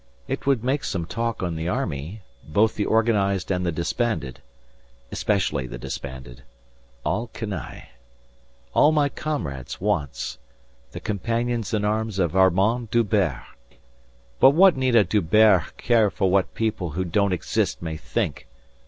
It would make some talk in the army, both the organised and the disbanded. Especially the disbanded. All canaille. All my comrades once the companions in arms of Armand D'Hubert. But what need a D'Hubert care what people who don't exist may think?